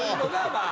まあ